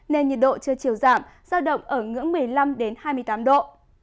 nên nhiệt độ chưa chiều giảm giao động ở ngưỡng một mươi năm đến hai mươi tám độ